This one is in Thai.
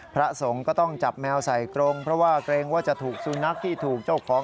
พระสงฆ์ก็ต้องจับแมวใส่กรงเพราะว่าเกรงว่าจะถูกสุนัขที่ถูกเจ้าของ